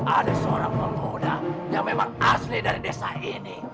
ada seorang pemuda yang memang asli dari desa ini